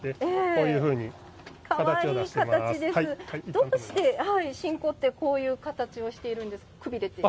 どうして、志んこってこういう形をしているんですか？